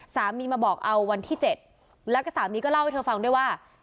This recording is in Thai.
สามีมาบอกเอาวันที่๗แล้วก็สามีก็เล่าให้เธอฟังด้วยว่า